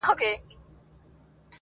• په خندا کي یې و زوی ته و ویله..